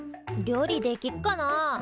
料理できっかな？